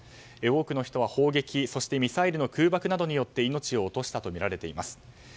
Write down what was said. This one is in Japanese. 多くの人は、砲撃ミサイルの空爆などによって命を落としたとみられています。